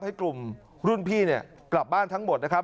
ให้กลุ่มรุ่นพี่เนี่ยกลับบ้านทั้งหมดนะครับ